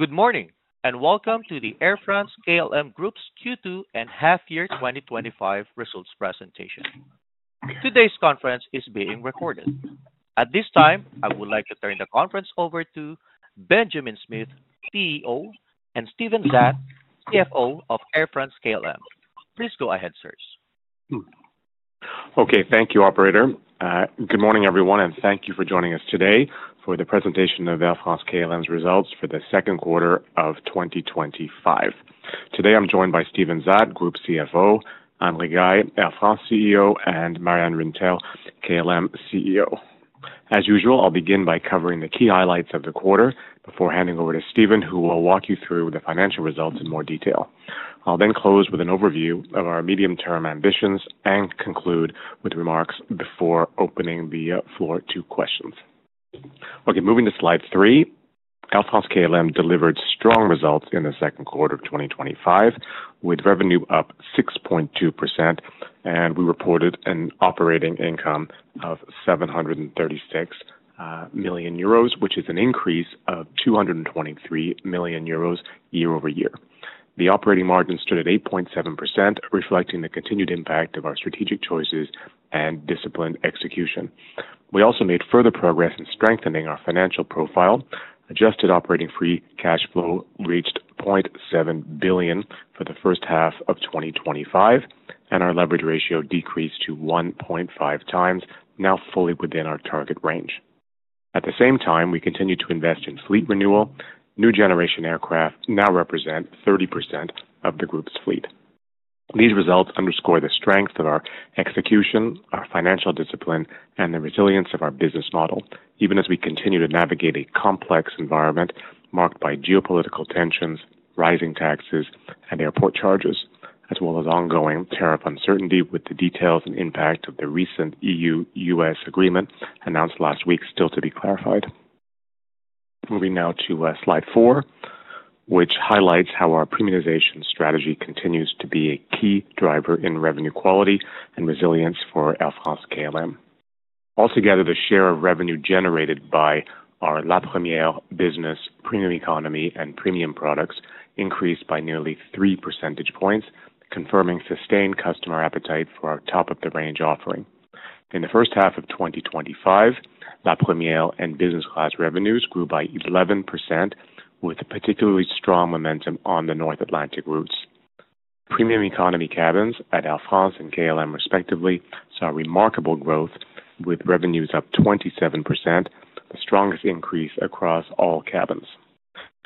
Good morning and welcome to the Air France-KLM Group's Q2 and half year 2025 results presentation. Today's conference is being recorded. At this time, I would like to turn the conference over to Benjamin Smith, CEO, and Steven Zaat, CFO of Air France-KLM. Please go ahead, sirs. Okay, thank you, operator. Good morning everyone and thank you for joining us today for the presentation of Air France-KLM's results for 2Q2025. Today I'm joined by Steven Zaat, Group CFO, Anne Rigail, Air France CEO, and Marjan Rintel, KLM CEO. As usual, I'll begin by covering the key highlights of the quarter before handing over to Steven, who will walk you through the financial results in more detail. I'll then close with an overview of our medium term ambitions and conclude with remarks before opening the floor to questions. Okay, moving to slide three. Air France-KLM delivered strong results in the second quarter of 2025 with revenue up 6.2%. We reported an operating income of 736 million euros, which is an increase of 223 million euros year-over-year. The operating margin stood at 8.7%, reflecting the continued impact of our strategic choices and disciplined execution. We also made further progress in strengthening our financial profile. Adjusted operating free cash flow reached 0.7 billion for the first half of 2025 and our leverage ratio decreased to 1.5x, now fully within our target range. At the same time, we continue to invest in fleet renewal. New generation aircraft now represent 30% of the group's fleet. These results underscore the strength of our execution, our financial discipline, and the resilience of our business model, even as we continue to navigate a complex environment marked by geopolitical tensions, rising taxes and airport charges, as well as ongoing tariff uncertainty, with the details and impact of the recent EU-U.S. agreement announced last week still to be clarified. Moving now to slide four, which highlights how our premiumization strategy continues to be a key driver in revenue quality and resilience for Air France-KLM. Altogether, the share of revenue generated by our La Première, Business, Premium Economy, and Premium products increased by nearly 3 percentage points, confirming sustained customer appetite for our top of the range offering. In the first half of 2025, La Première and Business Class revenues grew by 11% with particularly strong momentum on the North Atlantic routes. Premium Economy cabins at Air France and KLM respectively saw remarkable growth, with revenues up 27%, the strongest increase across all cabins.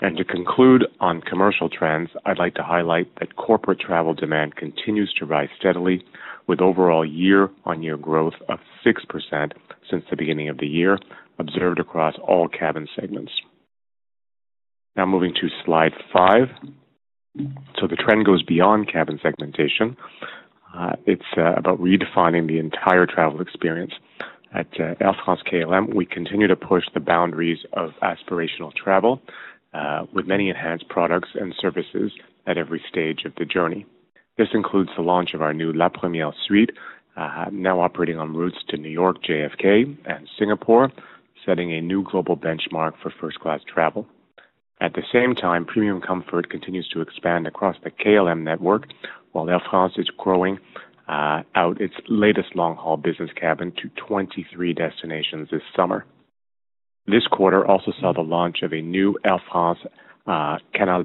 To conclude on commercial trends, I'd like to highlight that corporate travel demand continues to rise steadily with overall year-on-year growth of 6% since the beginning of the year observed across all cabin segments. Now moving to slide five, the trend goes beyond cabin segmentation; it's about redefining the entire travel experience. At Air France-KLM, we continue to push the boundaries of aspirational travel with many enhanced products and services at every stage of the journey. This includes the launch of our new La Première suite, now operating on routes to New York JFK and Singapore, setting a new global benchmark for first class travel. At the same time, Premium Comfort continues to expand across the KLM network while Air France is growing out its latest long-haul Business Class cabin to 23 destinations this summer. This quarter also saw the launch of a new Air France Canal+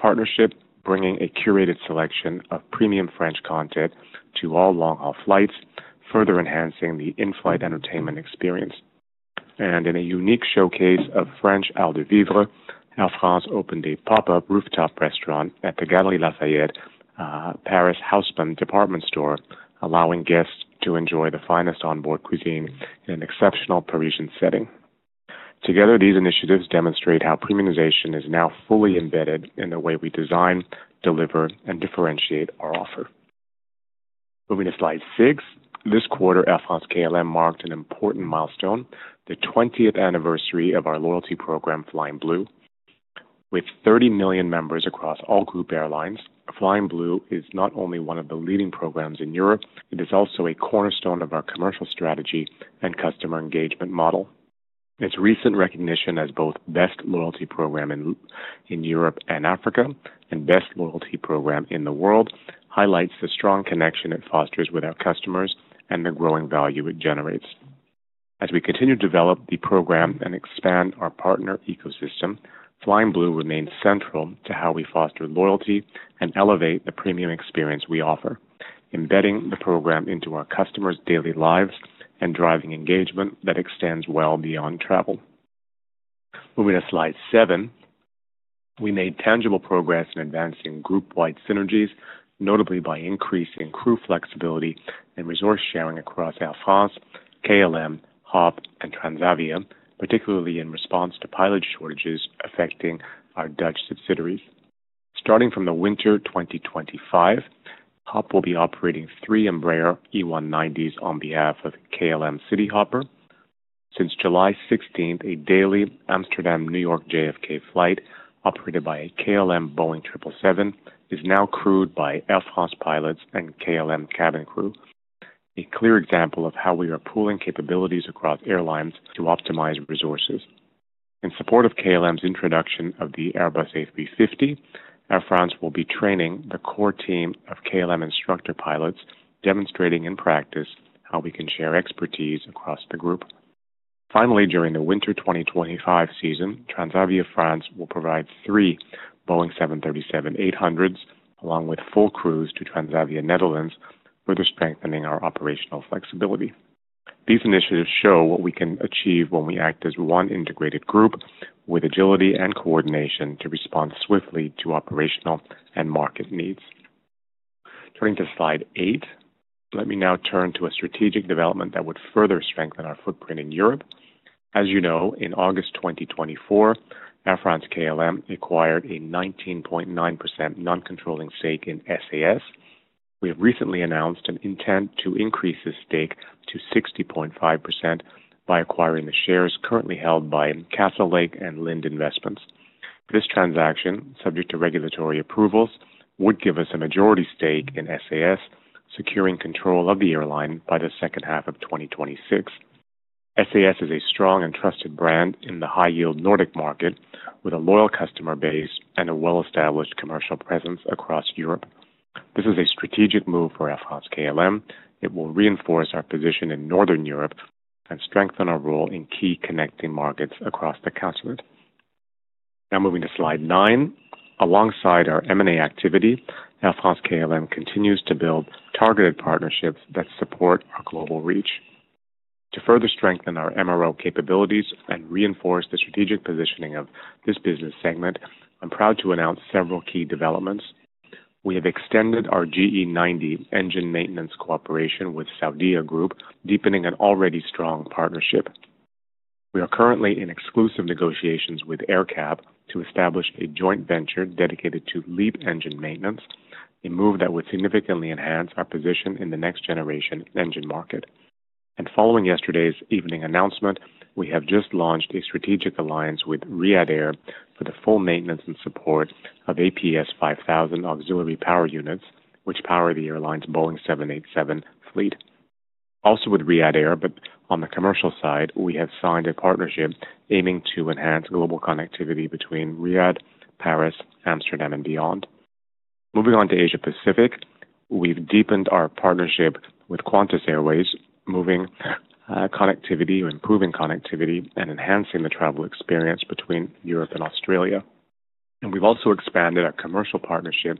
partnership, bringing a curated selection of premium French content to all long-haul flights, further enhancing the in-flight entertainment experience. In a unique showcase of French art de vivre, Air France opened a pop-up rooftop restaurant at the Galeries Lafayette Paris Haussmann department store, allowing guests to enjoy the finest onboard cuisine in an exceptional Parisian setting. Together, these initiatives demonstrate how premiumization is now fully embedded in the way we design, deliver, and differentiate our offer. Moving to slide six, this quarter KLM marked an important milestone, the 20th anniversary of our loyalty program Flying Blue. With 30 million members across all group airlines, Flying Blue is not only one of the leading programs in Europe, it is also a cornerstone of our commercial strategy and customer engagement model. Its recent recognition as both best loyalty program in Europe and Africa and best loyalty program in the world highlights the strong connection it fosters with our customers and the growing value it generates. As we continue to develop the program and expand our partner ecosystem, Flying Blue remains central to how we foster loyalty and elevate the premium experience we offer, embedding the program into our customers' daily lives and driving engagement that extends well beyond travel. Moving to slide seven, we made tangible progress in advancing group-wide synergies, notably by increasing crew flexibility and resource sharing across Air France, KLM, HOP!, and Transavia, particularly in response to pilot shortages affecting our Dutch subsidiaries. Starting from the winter 2025, HOP! will be operating three Embraer E190s on behalf of KLM Cityhopper. Since July 16, a daily Amsterdam–New York JFK flight operated by a KLM Boeing 777 is now crewed by Air France pilots and KLM cabin crew, a clear example of how we are pooling capabilities across airlines to optimize resources in support of KLM's introduction of the Airbus A350. Air France will be training the core team of KLM instructor pilots, demonstrating in practice how we can share expertise across the group. During the winter 2025 season, Transavia France will provide three Boeing 737-800s along with full crews to Transavia Netherlands, further strengthening our operational flexibility. These initiatives show what we can achieve when we act as one integrated group with agility and coordination to respond swiftly to operational and market needs. Turning to slide eight, let me now turn to a strategic development that would further strengthen our footprint in Europe. As you know, in August 2024 Air France-KLM acquired a 19.9% non-controlling stake in SAS. We have recently announced an intent to increase this stake to 60.5% by acquiring the shares currently held by Castlelake and Lind Invest. This transaction, subject to regulatory approvals, would give us a majority stake in SAS, securing control of the airline by the second half of 2026. SAS is a strong and trusted brand in the high-yield Nordic market with a loyal customer base and a well-established commercial presence across Europe. This is a strategic move for Air France-KLM. It will reinforce our position in Northern Europe and strengthen our role in key connecting markets across the continent. Now moving to slide nine, alongside our M&A activity, Air France-KLM continues to build targeted partnerships that support our global reach. To further strengthen our MRO capabilities and reinforce the strategic positioning of this business segment, I'm proud to announce several key developments. We have extended our GE90 engine maintenance cooperation with Saudia Group, deepening an already strong partnership. We are currently in exclusive negotiations with AerCap to establish a joint venture dedicated to LEAP engine maintenance, a move that would significantly enhance our position in the next generation engine market. Following yesterday's evening announcement, we have just launched a strategic alliance with Riyadh Air for the full maintenance and support of APS 5000 auxiliary power units, which power the airline's Boeing 787 fleet. Also with Riyadh Air, but on the commercial side, we have signed a partnership aiming to enhance global connectivity between Riyadh, Paris, Amsterdam, and beyond. Moving on to Asia Pacific, we've deepened our partnership with Qantas, improving connectivity and enhancing the travel experience between Europe and Australia. We've also expanded our commercial partnership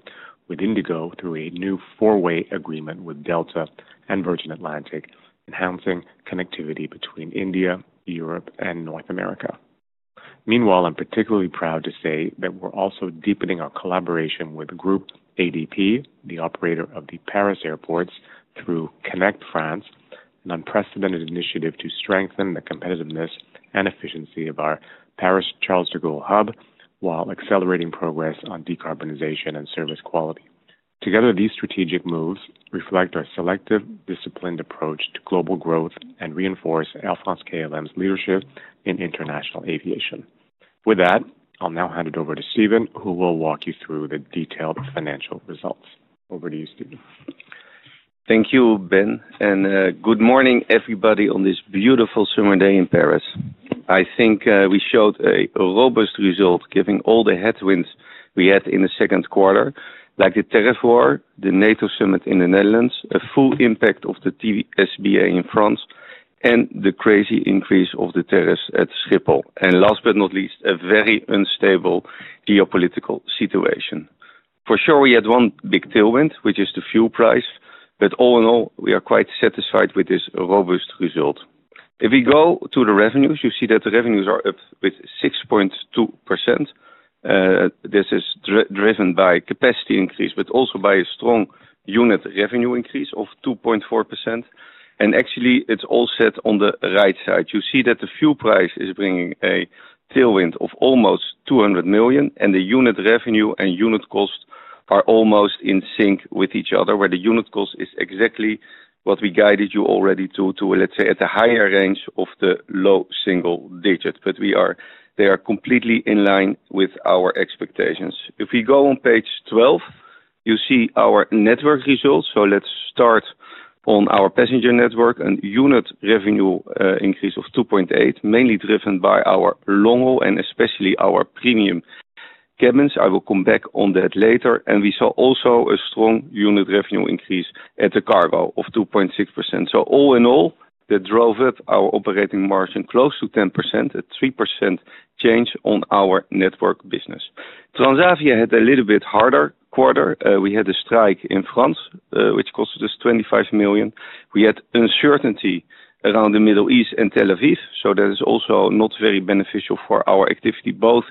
with IndiGo through a new four-way agreement with Delta and Virgin Atlantic, enhancing connectivity between India, Europe, and North America. Meanwhile, I'm particularly proud to say that we're also deepening our collaboration with Groupe ADP, the operator of the Paris airports, through Connect France, an unprecedented initiative to strengthen the competitiveness and efficiency of our Paris Charles de Gaulle hub while accelerating progress on decarbonization and service quality. Together, these strategic moves reflect our selective, disciplined approach to global growth and reinforce Air France-KLM's leadership in international aviation. With that, I'll now hand it over to Steven, who will walk you through the detailed financial results. Over to you, Steven. Thank you, Ben, and good morning everybody. On this beautiful summer day in Paris, I think we showed a robust result given all the headwinds we had in the second quarter, like the tariff war, the NATO summit in the Netherlands, a full impact of the TSBA in France, and the crazy increase of the tariffs at Schiphol. Last but not least, a very unstable geopolitical situation. For sure we had one big tailwind which is the fuel price. All in all we are quite satisfied with this robust result. If we go to the revenues, you see that the revenues are up with 6.2%. This is driven by capacity increase, but also by a strong unit revenue increase of 2.4%. Actually it's all set on the right side. You see that the fuel price is bringing a tailwind of almost 200 million and the unit revenue and unit cost are almost in sync with each other. The unit cost is exactly what we guided you already to, let's say at the higher range of the low single digit. They are completely in line with our expectations. If we go on page 12, you see our network results. Let's start on our passenger network and unit revenue increase of 2.8%, mainly driven by our long haul and especially our premium cabins. I will come back on that later. We saw also a strong unit revenue increase at the cargo of 2.6%. All in all that drove up our operating margin close to 10%, a 3% change on our network business. Transavia had a little bit harder quarter. We had a strike in France which cost us 25 million. We had uncertainty around the Middle East and Tel Aviv. That is also not very beneficial for our activity both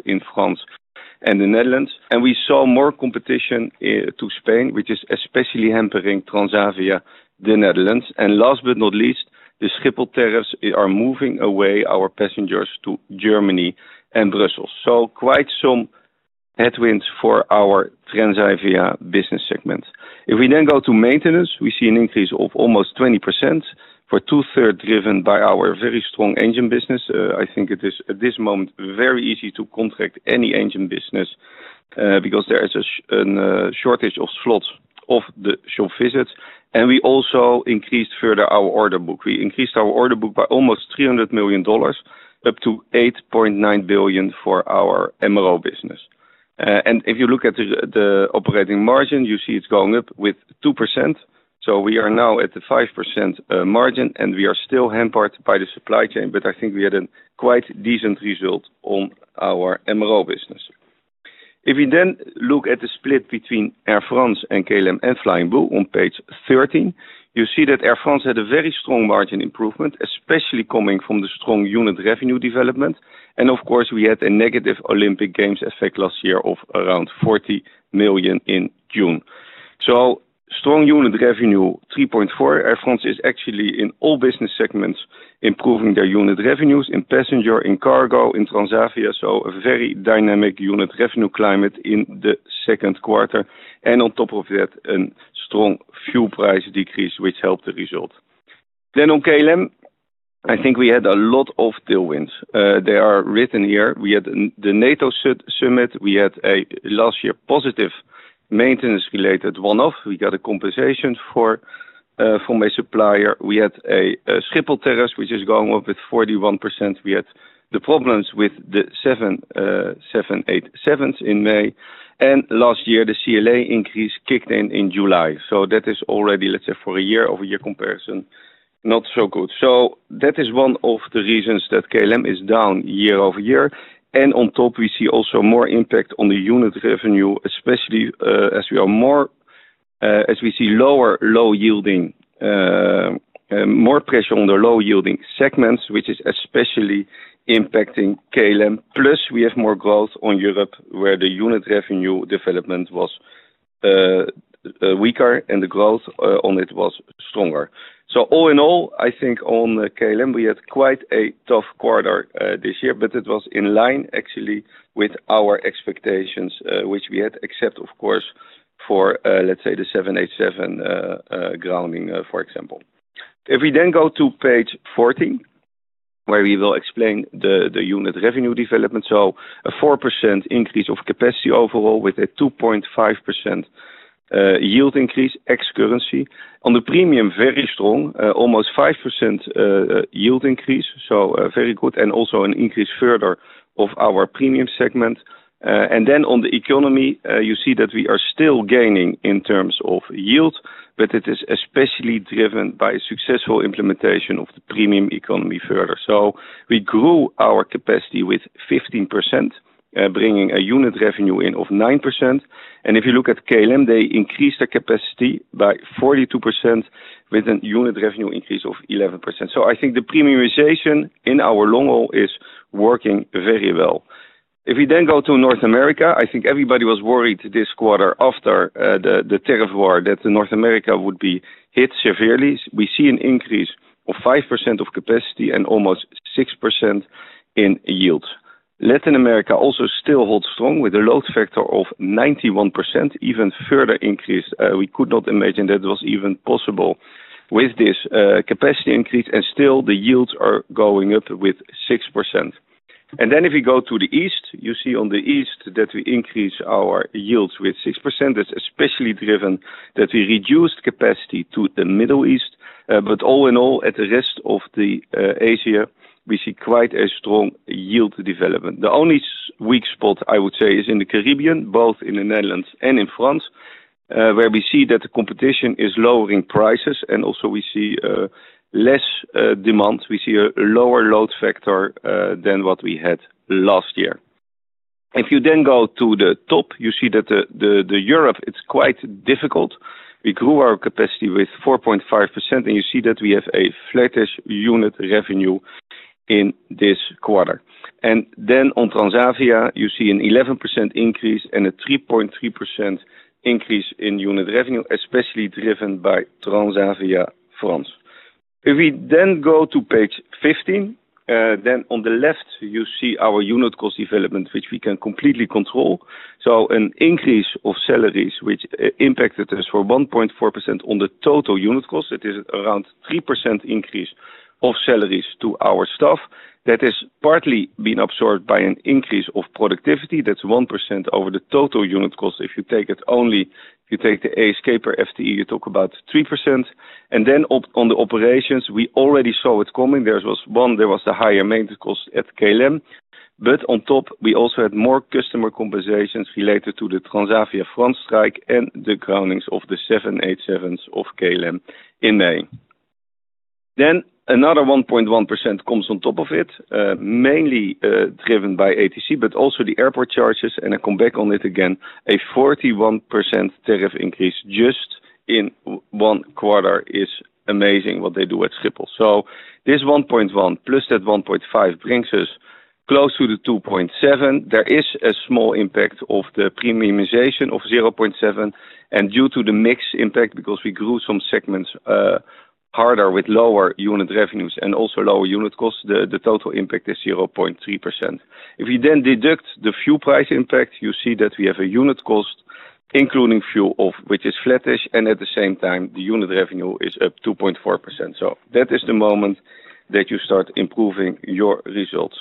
in France and the Netherlands. We saw more competition to Spain, which is especially hampering Transavia, the Netherlands, and last but not least, the Schiphol tariffs are moving away our passengers to Germany and Brussels. Quite some headwinds for our Transavia business segments. If we then go to maintenance, we see an increase of almost 20%, for 2/3 driven by our very strong engine business. I think it is at this moment very easy to contract any engine business because there is a shortage of slots of the shop visits. We also increased further our order book. We increased our order book by almost EUR 300 million up to 8.9 billion for our MRO business. If you look at the operating margin, you see it's going up with 2%. We are now at the 5% margin and we are still hampered by the supply chain. I think we had a quite decent result on our MRO business. If we then look at the split between Air France and KLM and Flying Blue on page 13, you see that Air France had a very strong margin improvement, especially coming from the strong unit revenue development. Of course, we had a negative Olympic Games effect last year of around 40 million in June. Strong unit revenue 3.4. Air France is actually in all business segments improving their unit revenues in passenger and cargo in Transavia. A very dynamic unit revenue climate in the second quarter. On top of that, a strong fuel price decrease helped the result. Then on KLM, I think we had a lot of tailwinds. They are written here. We had the NATO summit, we had a last year positive maintenance-related one-off. We got a compensation from a supplier. We had a Schiphol terrace which is going up with 41%. We had the problems with the 787 in May, and last year the CLA increase kicked in in July. That is already, let's say for a year-over-year comparison, not so good. That is one of the reasons that KLM is down year-over-year. On top, we see also more impact on the unit revenue, especially as we see lower low-yielding, more pressure on the low-yielding segments, which is especially impacting KLM. Plus, we have more growth on Europe where the unit revenue development was weaker and the growth on it was stronger. All in all, I think on KLM we had quite a tough quarter this year, but it was in line actually with our expectations, which we had except of course for, let's say, the 787 grounding. For example, if we then go to page 14 where we will explain the unit revenue development. A 4% increase of capacity overall with a 2.5% yield increase ex currency on the premium, very strong, almost 5% yield increase. Very good. Also, an increase further of our premium segment. Then on the economy, you see that we are still gaining in terms of yield, but it is especially driven by successful implementation of the Premium Economy further. We grew our capacity with 15%, bringing a unit revenue in of 9%. If you look at KLM, they increased the capacity by 42% with a unit revenue increase of 11%. I think the premiumization in our long haul is working very well. If we then go to North America, I think everybody was worried this quarter after the terror that North America would be hit severely. We see an increase of 5% of capacity and almost 6% in yield. Latin America also still holds strong with a load factor of 91%. Even further increase, we could not imagine that was even possible with this capacity increase. Still, the yields are going up with 6%. If you go to the east, you see on the east that we increase our yields with 6%. That's especially driven that we reduced capacity to the Middle East. All in all, at the rest of Asia we see quite a strong yield development. The only weak spot, I would say, is in the Caribbean, both in the Netherlands and in France, where we see that the competition is lowering prices. Also, we see less demand, we see a lower load factor than what we had last year. If you then go to the top, you see that Europe, it's quite difficult. We grew our capacity with 4.5% and you see that we have a flattish unit revenue in this quarter. On Transavia you see an 11% increase and a 3.3% increase in unit revenue, especially driven by Transavia France. If we then go to page 15, on the left you see our unit cost development which we can completely control. An increase of salaries impacted us for 1.4%. On the total unit cost it is around 3% increase of salaries to our staff that is partly been absorbed by an increase of productivity that's 1% over the total unit cost. If you take it only if you take the Air France-KLM FTE you talk about 3%. On the operations we already saw it coming. There was the higher maintenance cost at KLM, but on top we also had more customer compensations related to the Transavia France strike and the groundings of the Boeing 787s of KLM. In May, another 1.1% comes on top of it, mainly driven by ATC, but also the airport charges. I come back on it again. A 41% tariff increase just in one quarter is amazing what they do at Schiphol. This 1.1 + 1.5 brings us closer to 2.7. There is a small impact of the premiumization of 0.7 and due to the mix impact because we grew some segments harder with lower unit revenues and also lower unit costs. The total impact is 0.3%. If we then deduct the fuel price impact, you see that we have a unit cost including fuel which is flattish and at the same time the unit revenue is up 2.4%. That is the moment that you start improving your results.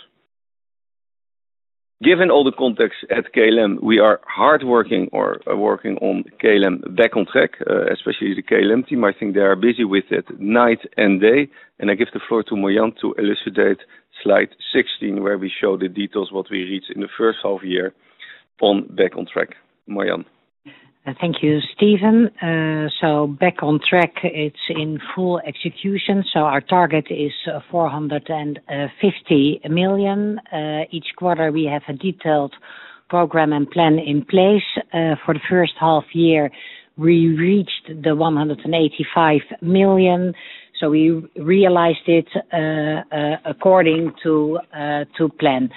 Given all the context at KLM, we are hard working or working on KLM back on track, especially the KLM team. I think they are busy with it night and day. I give the floor to Marjan to elucidate slide 16, where we show the details of what we read in the first half year on Back on Track, Marjan. Thank you, Steven. Back on track, it's in full execution. Our target is 450 million each quarter. We have a detailed program and plan in place. For the first half year, we reached the 185 million. We realized it according to plan.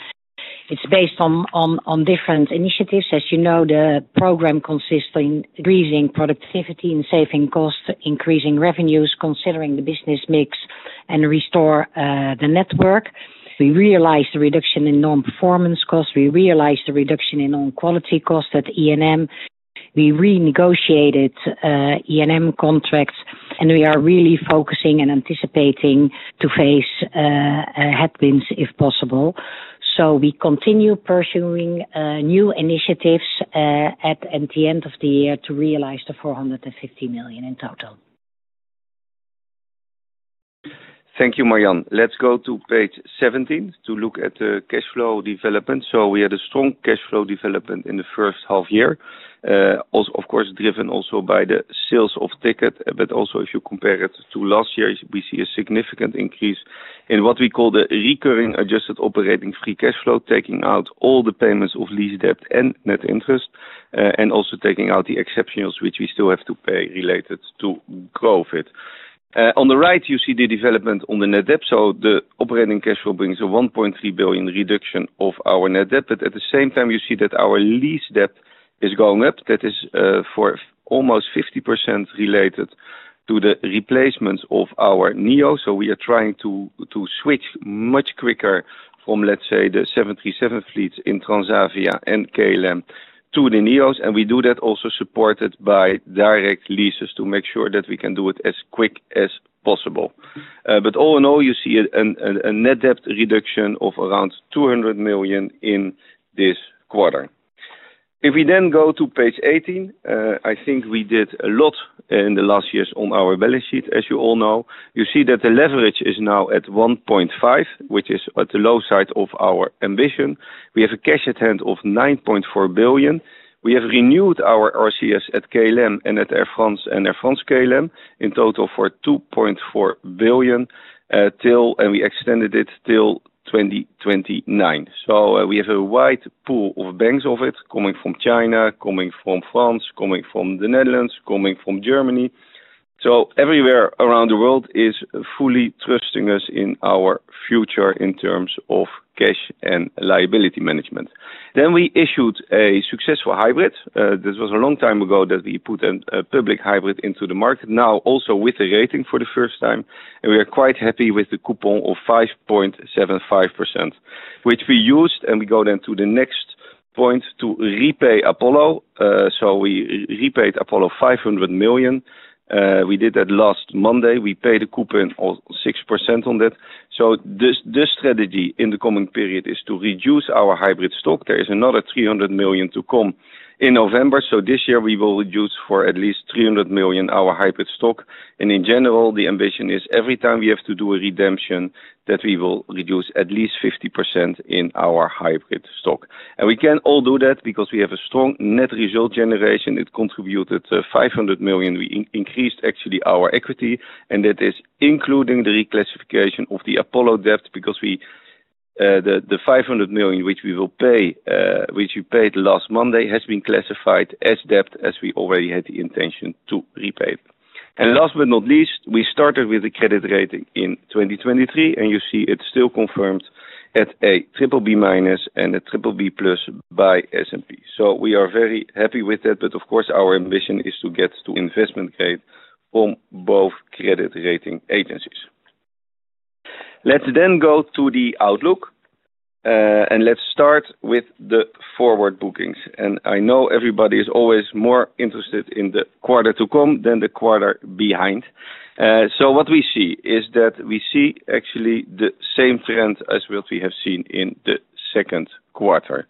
It's based on different initiatives. As you know, the program consists in increasing productivity and saving costs, increasing revenues, considering the business mix, and restoring the network. We realized the reduction in non-performance costs. We realized the reduction in non-quality costs. At E.M., we renegotiated E.M. contracts, and we are really focusing and anticipating to face headwinds if possible. We continue pursuing new initiatives at the end of the year to realize the 450 million in total. Thank you Marjan. Let's go to page 17 to look at the cash flow development. We had a strong cash flow development in the first half year, of course driven also by the sales of tickets. Also, if you compare it to last year, we see a significant increase in what we call the recurring adjusted operating free cash flow, taking out all the payments of lease debt and net interest and also taking out the exceptionals which we still have to pay related to Covid. On the right, you see the development on the net debt. The operating cash flow brings a 1.3 billion reduction of our net debt. At the same time, you see that our lease debt is going up. That is for almost 50% related to the replacements of our NEO. We are trying to switch much quicker from, let's say, the 737 fleets in Transavia and KLM to the NEOs. We do that also supported by direct leases to make sure that we can do it as quick as possible. All in all, you see a net debt reduction of around 200 million in this quarter. If we then go to page 18, I think we did a lot in the last years on our balance sheet, as you all know. You see that the leverage is now at 1.5x, which is at the low side of our ambition. We have cash at hand of 9.4 billion. We have renewed our RCF at KLM and at Air France and Air France-KLM in total for 2.4 billion, and we extended it till 2029. We have a wide pool of banks, with it coming from China, coming from France, coming from the Netherlands, coming from Germany. Everywhere around the world is fully trusting us in our future in terms of cash and liability management. We issued a successful hybrid. This was a long time ago that we put a public hybrid into the market, now also with a rating for the first time. We are quite happy with the coupon of 5.75%, which we used. We go then to the next point to repay Apollo. We repaid Apollo 500 million. We did that last Monday. We paid a coupon of 6% on that. This strategy in the coming period is to reduce our hybrid stock. There is another 300 million to come in November. This year we will reduce for at least 300 million our hybrid stock. In general, the ambition is every time we have to do a redemption, that we will reduce at least 50% in our hybrid stock. We can all do that because we have a strong net result generation. It contributed 500 million. We increased actually our equity, and that is including the reclassification of the Apollo debt, because the 500 million which we will pay, which we paid last Monday, has been classified as debt, as we already had the intention to repay it. Last but not least, we started with the credit rating in 2023 and you see it's still confirmed at a BBB- and a BBB+ by S&P. We are very happy with that. Of course, our ambition is to get to investment grade from both credit rating agencies. Let's then go to the outlook and start with the forward bookings. I know everybody is always more interested in the quarter to come than the quarter behind. What we see is that we see actually the same trend as what we have seen in the second quarter.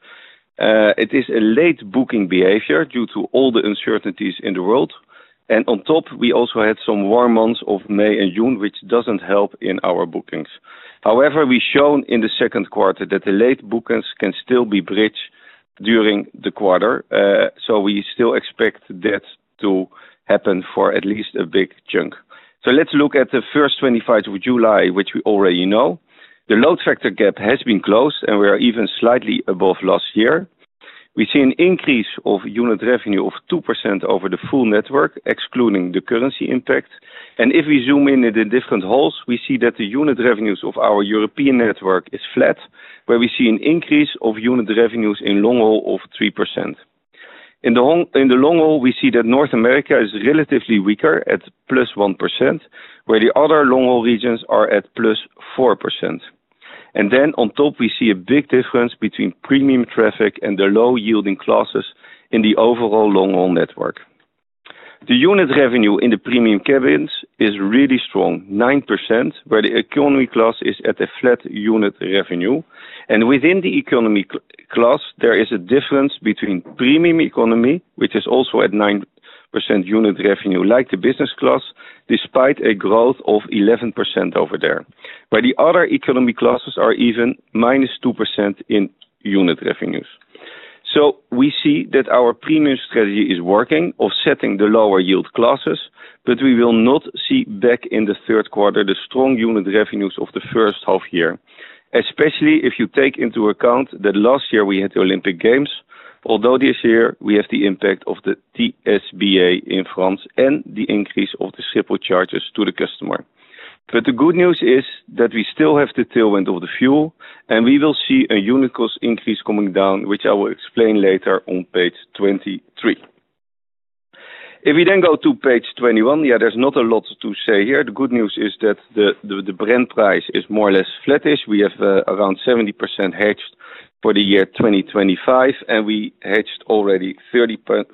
It is a late booking behavior due to all the uncertainties in the world. On top, we also had some warm months of May and June, which doesn't help in our bookings. However, we have shown in the second quarter that the late bookings can still be bridged during the quarter. We still expect that to happen for at least a big chunk. Let's look at the first 25 of July, which we already know the load factor gap has been closed and we are even slightly above last year. We see an increase of unit revenue of 2% over the full network, excluding the currency impact. If we zoom in at the different hauls, we see that the unit revenues of our European network is flat, where we see an increase of unit revenues in long haul of 3%. In the long haul, we see that North America is relatively weaker at +1% where the other long haul regions are at +4%. On top, we see a big difference between premium traffic and the low yielding classes. In the overall long haul network, the unit revenue in the premium cabins is really strong, 9%, where the economy class is at a flat unit revenue. Within the economy there is a difference between Premium Economy, which is also at 9% unit revenue, like the Business Class, despite a growth of 11% over there, where the other economy classes are even -2% in unit revenues. We see that our premium strategy is working, offsetting the lower yield classes. We will not see back in the third quarter the strong unit revenues of the first half year, especially if you take into account that last year we had the Olympic Games, although this year we have the impact of the TSBA in France and the increase of the SREPO charges to the customer. The good news is that we still have the tailwind of the fuel and we will see a unit cost increase coming down, which I will explain later on page 23. If we then go to page 21, there's not a lot to say here. The good news is that the brand price is more or less flattish. We have around 70% hedged for the year 2025 and we hedged already 30.5%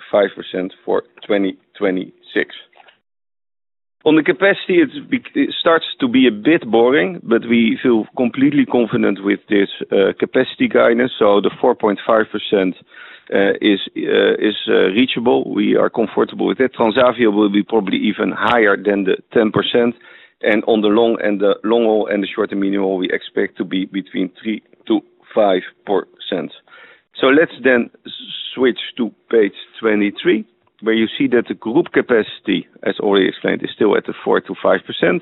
for 2026 on the capacity. It starts to be a bit boring, but we feel completely confident with this capacity guidance. The 4.5% is reachable, we are comfortable with it. Transavia will be probably even higher than the 10%. On the long haul and the short and meaningful we expect to be between 3%-5%. Let's then switch to page 23 where you see that the group capacity as already explained is still at the 4%-5%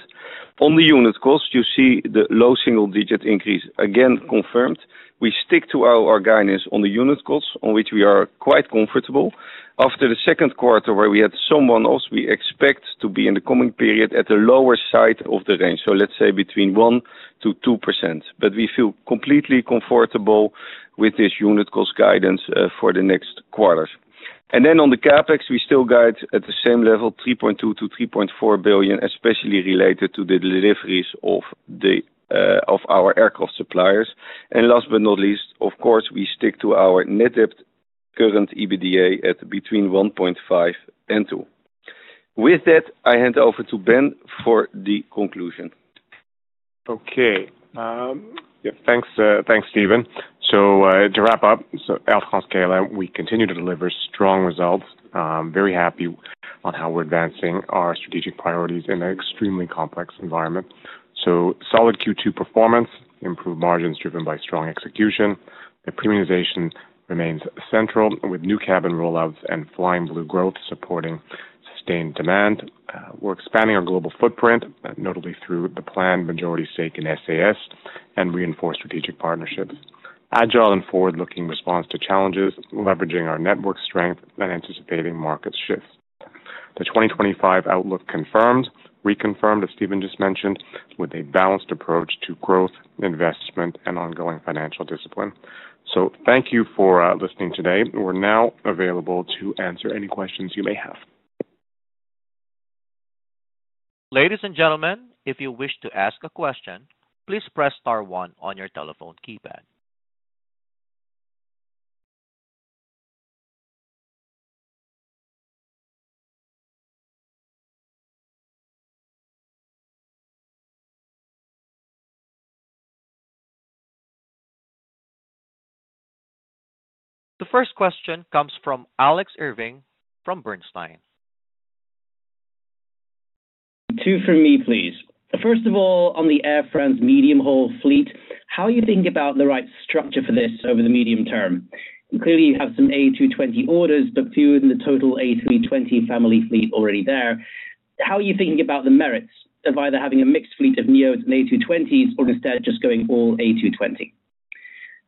on the unit cost. You see the low single digit increase again, confirmed. We stick to our guidance on the unit costs on which we are quite comfortable. After the second quarter where we had someone else, we expect to be in the coming period at the lower side of the range. Let's say between 1%-2%. We feel completely comfortable with this unit cost guidance for the next quarters. On the CapEx we still guide at the same level, 3.2 billion-3.4 billion, especially related to the deliveries of our aircraft suppliers. Last but not least, of course we stick to our net debt, current EBITDA at between 1.5x and 2x. With that I hand over to Ben for the conclusion. Okay, thanks Steven. To wrap up Air France-KLM, we continue to deliver strong results. Very happy on how we're advancing our strategic priorities in an extremely complex environment. Solid Q2 performance, improved margins driven by strong execution. The premiumization remains central with new cabin rollouts and Flying Blue growth supporting sustained demand. We're expanding our global footprint, notably through the planned majority stake in SAS and reinforced strategic partnerships. Agile and forward-looking response to challenges, leveraging our network strength and anticipating market shifts. The 2025 outlook confirmed, reconfirmed, as Steven just mentioned, with a balanced approach to growth, investment, and ongoing financial discipline. Thank you for listening today. We're now available to answer any questions you may have. Ladies and gentlemen, if you wish to ask a question, please press star one on your telephone keypad. The first question comes from Alex Irving from Bernstein. Two from me please. First of all, on the Air France medium haul fleet, how are you thinking about the right structure for this over the medium term? Clearly you have some A220 orders but fewer than the total A320 family fleet already there. How are you thinking about the merits of either having a mixed fleet of Neos and A220s or instead just going all A220?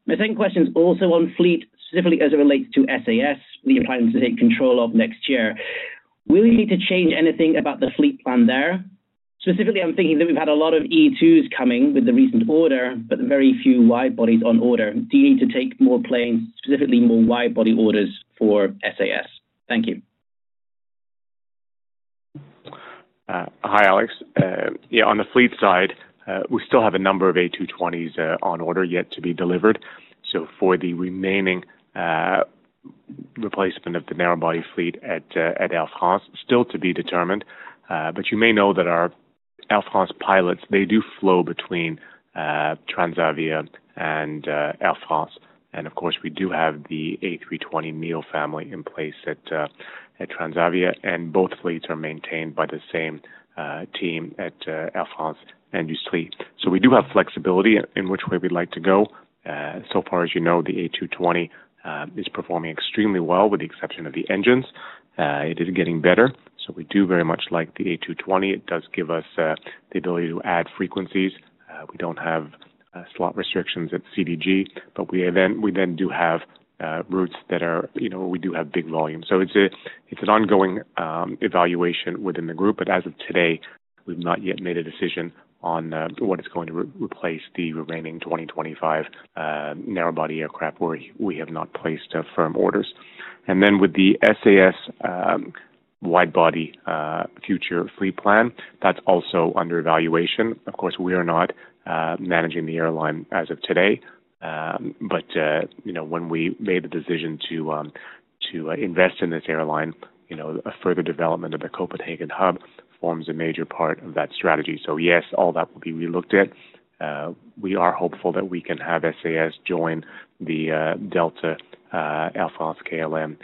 My second question is also on fleet specifically as it relates to SAS that you're planning to take control of next year. Will you need to change anything about the fleet plan there specifically? I'm thinking that we've had a lot of E2s coming with the recent order, but very few widebodies on order. Do you need to take more planes? Specifically more widebody orders for SAS. Thank you. Hi Alex. Yeah, on the fleet side we still have a number of A220s on order yet to be delivered. For the remaining replacement of the narrow body fleet at Air France, still to be determined. You may know that our Air France pilots, they do flow between Transavia and Air France, and of course we do have the A320neo family in place at Transavia, and both fleets are maintained by the same team at Air France and KLM. We do have flexibility in which way we'd like to go. So far, as you know, the A220 is performing extremely well with the exception of the engines. It is getting better. We do very much like the A220. It does give us the ability to add frequencies. We don't have slot restrictions at CDG, but we do have routes that are, you know, we do have big volume. It's an ongoing evaluation within the group. As of today we've not yet made a decision on what is going to replace the remaining 2025 narrow body aircraft where we have not placed firm orders. With the SAS widebody future fleet plan, that's also under evaluation. Of course we are not managing the airline as of today. When we made the decision to invest in this airline, a further development of the Copenhagen hub forms a major part of that strategy. All that will be relooked at. We are hopeful that we can have SAS join the Delta, Air France-KLM,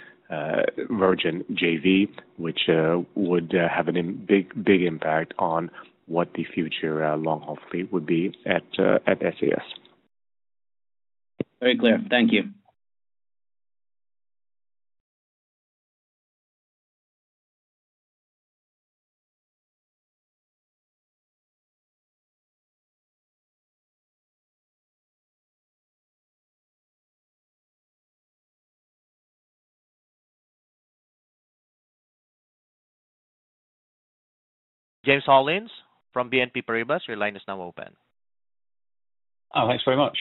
Virgin Atlantic joint venture, which would have a big, big impact on what the future long haul fleet would be at SAS. Very clear. Thank you. James Hollins from BNP Paribas. Your line is now open. Thanks very much.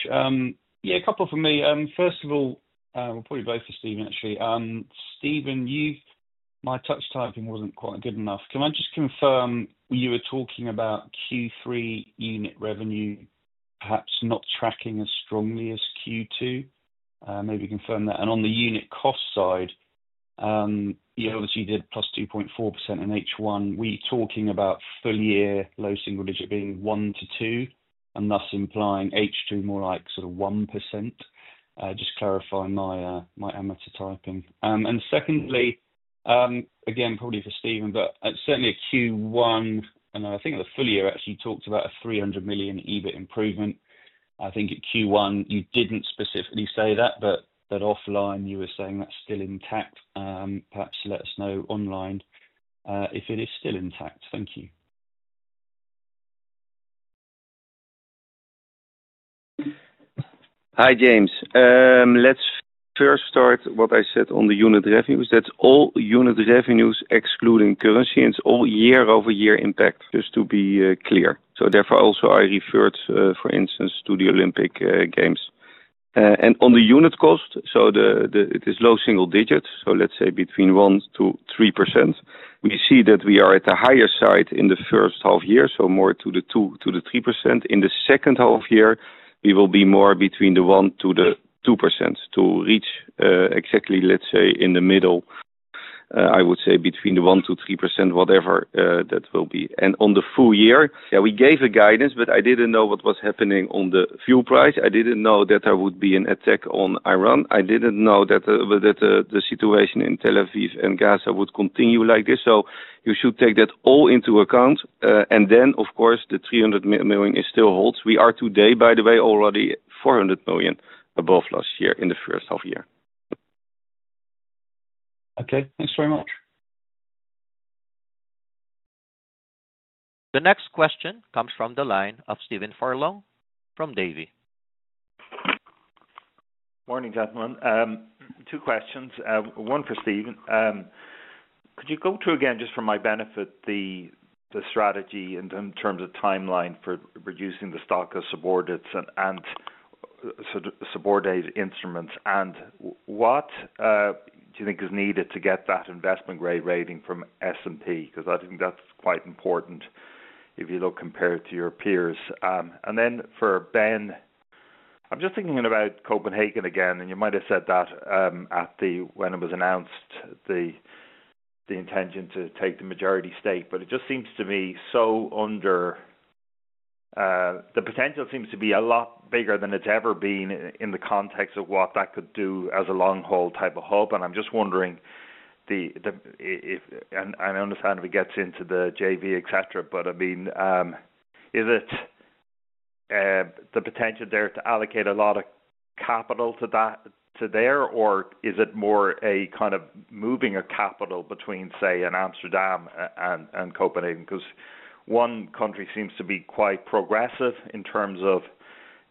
Yeah, a couple for me. First of all, we'll probably bother Steven actually. Steven, my touch typing wasn't quite good enough. Can I just confirm you were talking about Q3 unit revenue, perhaps not tracking as strongly as Q2. Maybe confirm that. On the unit cost side you obviously did. +2.4% in H1. We talking about full year low single digit being 1-2 and thus implying H2 more like sort of 1%. Just clarify my amateur typing. Secondly, again probably for Steven, but certainly at Q1 and I think the full year actually talked about a 300 million EBIT improvement. I think at Q1 you didn't specifically say that, but that offline you were saying that's still intact. Perhaps let us know online if it is still intact. Thank you. Hi James. Let's first start with what I said on the unit revenues. That's all unit revenues, excluding currency and all year-over-year impact, just to be clear. Therefore, also I referred, for instance, to the Olympic Games and on the unit cost. It is low single digits, so let's say between 1%-3%. We see that we are at the higher side in the first half year, so more to the 2%-3%. In the second half year we will be more between the 1%-2% to reach exactly, let's say in the middle, I would say between the 1%-3%, whatever that will be. On the full year we gave a guidance, but I didn't know what was happening on the fuel price. I didn't know that there would be an attack on Iran. I didn't know that the situation in Tel Aviv and Gaza would continue like this. You should take that all into account. The 300 million still holds. We are too, by the way, already 400 million above last year in the first half year. Okay, thanks very much. The next question comes from the line of Stephen Furlong from Davy. Morning gentlemen. Two questions. One for Steven. Could you go through again, just for my benefit, the strategy in terms of timeline for reducing the stock of subordinates and subordinate instruments? What do you think is needed to get that investment-grade rating from S.&P.? Because I think that's quite important if you look compared to your peers. For Ben, I'm just thinking about Copenhagen again and you might have said that when it was announced, the intention to take the majority stake, but it just seems to me the potential seems to be a lot bigger than it's ever been in the context of what that could do as a long-haul type of hub. I'm just wondering, and I understand if it gets into the JV, et cetera, but is it the potential there to allocate a lot of capital to that, to there, or is it more a kind of moving of capital between, say, Amsterdam and Copenhagen? One country seems to be quite progressive in terms of,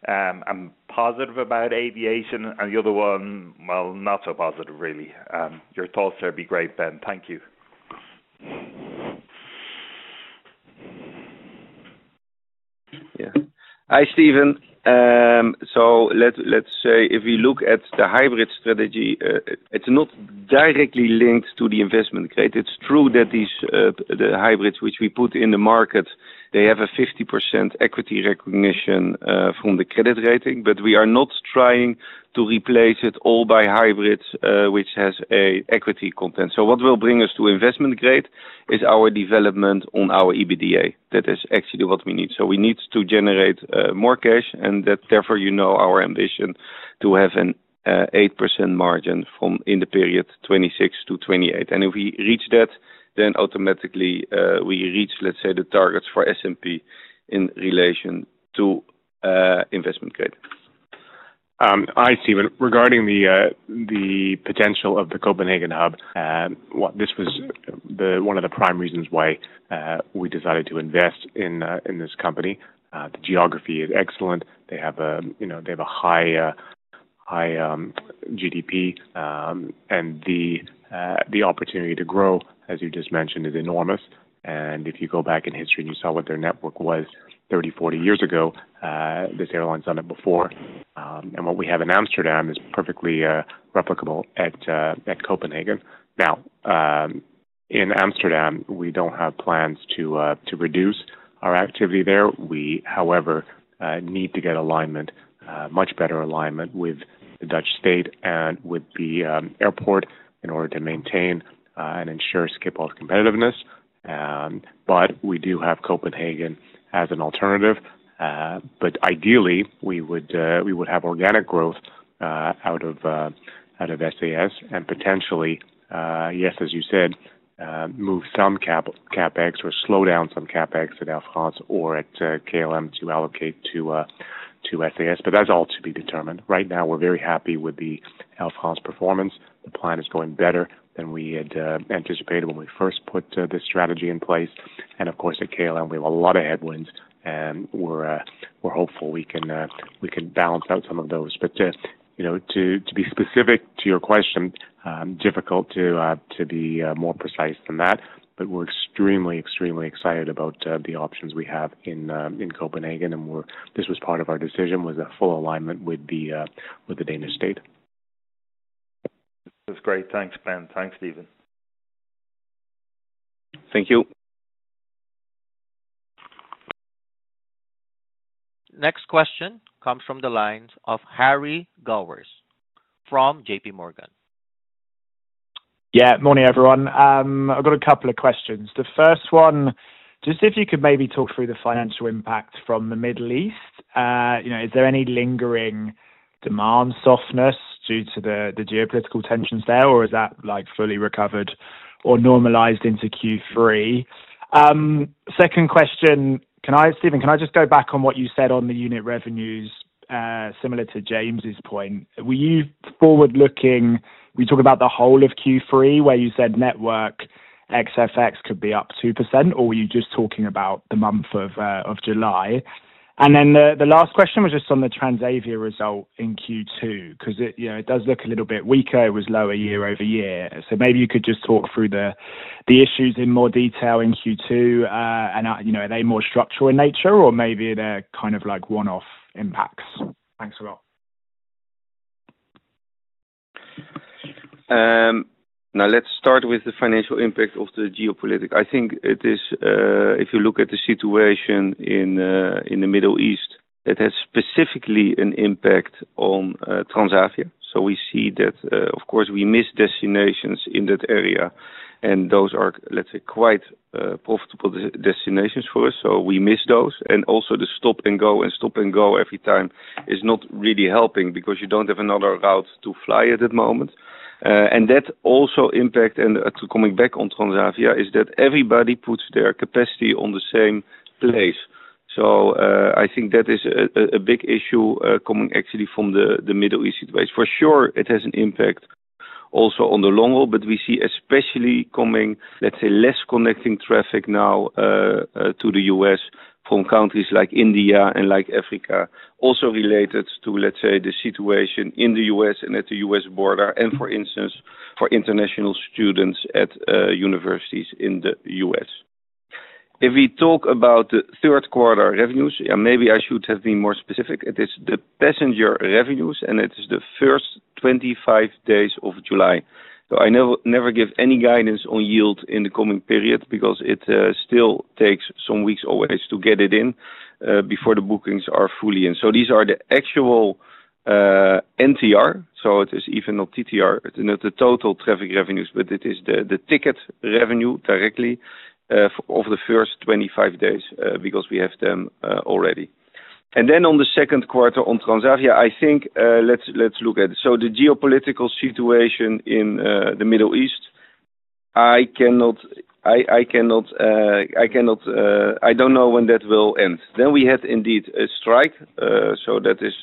I'm positive about aviation, and the other one, not so positive really. Your thoughts there would be great, Ben. Thank you. Yeah. Hi Stephen. If we look at the hybrid strategy, it's not directly linked to the investment grade. It's true that these hybrids which we put in the market, they have a 50% equity recognition from the credit rating, but we are not trying to replace it all by hybrids which has an equity content. What will bring us to investment grade is our development on our EBITDA. That is actually what we need. We need to generate more cash and therefore, you know, our ambition to have an 8% margin in the period 2026-2028. If we reach that, then automatically we reach, let's say, the targets for S&P in relation to investment grade. Hi Steven. Regarding the potential of the Copenhagen hub, this was one of the prime reasons why we decided to invest in this company. The geography is excellent. They have a high GDP and the opportunity to grow, as you just mentioned, is enormous. If you go back in history and you saw what their network was 30, 40 years ago, this airline's done it before. What we have in Amsterdam is perfectly replicable at Copenhagen. In Amsterdam we don't have plans to reduce our activity there. We, however, need to get alignment, much better alignment with the Dutch state and with the airport in order to maintain and ensure Schiphol's competitiveness. We do have Copenhagen as an alternative. Ideally we would have organic growth out of SAS and potentially, yes, as you said, move some CapEx or slow down some CapEx at Air France or at KLM to allocate to SAS. That's all to be determined. Right now we're very happy with the Air France performance. The plan is going better than we had anticipated when we first put this strategy in place. Of course at KLM we have a lot of headwinds and we're hopeful we can balance out some of those. To be specific to your question, difficult to be more precise than that, but we're extremely, extremely excited about the options we have in Copenhagen. This was part of our decision, was a full alignment with the Danish state. That's great. Thanks, Ben. Thanks, Steven. Thank you. Next question comes from the lines of Harry Gowers from JPMorgan. Yeah, morning everyone. I've got a couple of questions. The first one, just if you could maybe talk through the financial impact from the Middle East. Is there any lingering demand softness due to the geopolitical tensions there or is that like fully recovered or normalized into Q3? Second question, Steven, can I just go back on what you said on the unit revenues similar to James's point? Were you forward looking? We talk about the whole of Q3 where you said network XFX could be up 2% or were you just talking about the month of July? And then the last question was just on the Transavia result in Q2 because it does look a little bit weaker. It was lower year-over-year. Maybe you could just talk through the issues in more detail in Q2 and are they more structural in nature or maybe they're kind of like one off impacts. Thanks a lot. Now let's start with the financial impact of the geopolitics. I think it is, if you look at the situation in the Middle East that has specifically an impact on Transavia. We see that of course we miss destinations in that area and those are, let's say, quite profitable destinations for us. We miss those. Also, the stop and go and stop and go every time is not really helping because you don't have another route to fly at that moment. That also impacts, and coming back on Transavia, is that everybody puts their capacity on the same. I think that is a big issue coming actually from the Middle East. For sure it has an impact also on the long haul. We see especially coming, let's say, less connecting traffic now to the U.S. from countries like India and like Africa, also related to, let's say, the situation in the U.S. and at the U.S. border and for instance for international students at universities in the U.S. If we talk about the third quarter revenues, maybe I should have been more specific. It is the passenger revenues and it is the first 25 days of July. I never give any guidance on yield in the coming period because it still takes some weeks always to get it in before the bookings are fully in. These are the actual NTR. It is even not TTR, not the total traffic revenues, but it is the ticket revenue directly of the first 25 days because we have them already. On the second quarter on Transavia, I think let's look at the geopolitical situation in the Middle East. I cannot, I don't know when that will end. We had indeed a strike. That is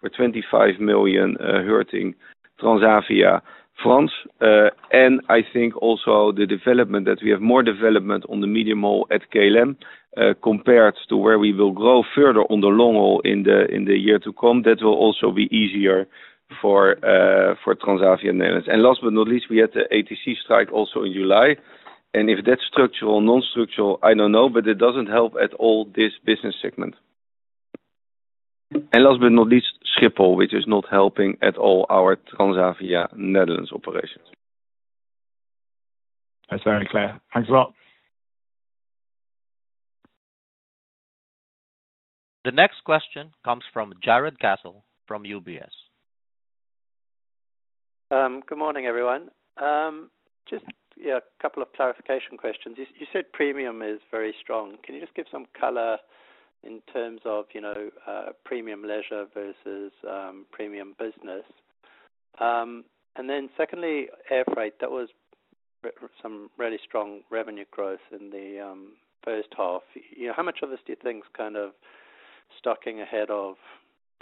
for 25 million hurting Transavia France and I think also the development that we have more development on the medium haul at KLM compared to where we will grow further on the long haul in the year to come, that will also be easier for Transavia Netherlands. Last but not least, we had the ATC strike also in July. If that's structural, non-structural, I don't know. It doesn't help at all this business segment. Last but not least, Schiphol, which is not helping at all our Transavia Netherlands operations. That's very clear. Thanks a lot. The next question comes from Jarrod Castle from UBS. Good morning everyone. Just a couple of clarification questions. You said premium is very strong. Can you just give some color in terms of premium leisure versus premium business? Secondly, air freight, that was some really strong revenue growth in the first half. How much of this do you think is kind of stocking ahead of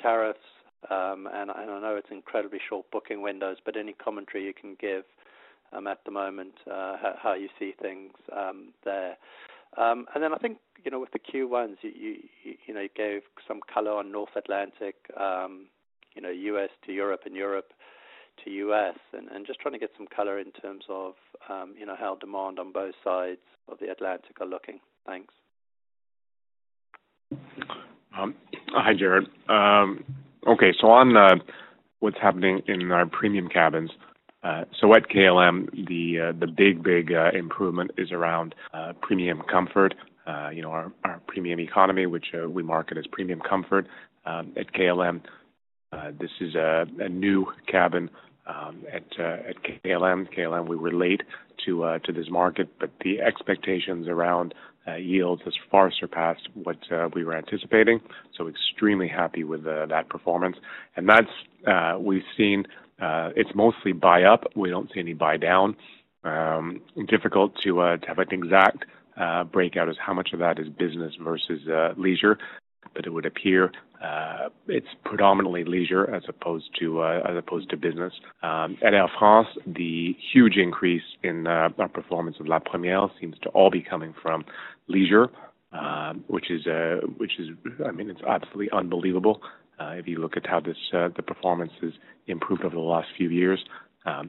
tariffs? I know it's incredibly short booking windows, but any commentary you can give at the moment how you see things there? I think with the Q1s, you gave some color on North Atlantic, you know, U.S. to Europe and Europe to U.S., just trying to get some color in terms of how demand on both sides of the Atlantic are looking. Thanks. Hi, Jared. Okay, so on what's happening in our premium cabins. So at KLM the big, big improvement is around Premium Comfort. You know, our Premium Economy, which we market as Premium Comfort at KLM. This is a new cabin at KLM. KLM, we relate to this market. The expectations around yields have far surpassed what we were anticipating. Extremely happy with that performance. We've seen it's mostly buy up. We don't see any buy down. Difficult to have an exact breakout as to how much of that is business versus leisure, but it would appear it's predominantly leisure as opposed to business. At Air France, the huge increase in our performance of La Première seems to all be coming from leisure, which is, I mean, it's absolutely unbelievable. If you look at how the performance has improved over the last few years,